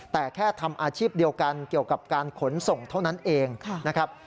แต่แค่ทำอาชีพเดียวกันเกี่ยวกับการขนส่งเท่านั้นเองนะครับ